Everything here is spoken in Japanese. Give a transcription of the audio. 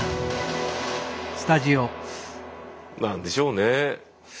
何でしょうね。